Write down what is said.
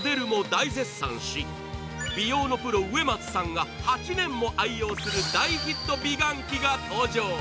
美容のプロ植松さんが８年も愛用する大ヒット美顔器が登場。